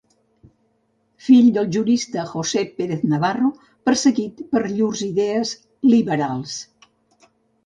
Fill del jurista José Pérez Navarro, perseguit per llurs idees liberals.